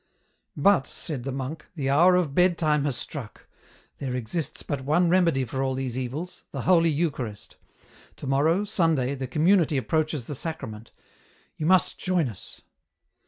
" But," said the monk, " the hour of bedtime has struck. There exists but one remedy for all these evils, the Holy Eucharist ; to morrow, Sunday, the community approaches the Sacrament ; you must join us."